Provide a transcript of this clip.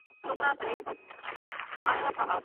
بهرنۍ تګلاره بې له اوږدمهاله لید نه اغېزمنه نه ده.